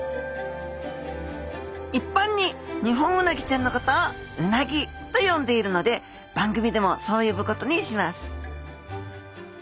いっぱんにニホンウナギちゃんのことを「うなぎ」と呼んでいるので番組でもそう呼ぶことにします